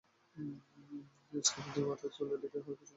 Scarf দিয়ে মাথায় চুল ঢেকে হালকা সবুজ জামা পরে হাঁটেন তিনি।